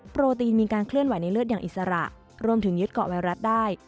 โปรตีนมีการเคลื่อนไหวในเลือดอย่างอิสระรวมถึงยึดเกาะไวรัสได้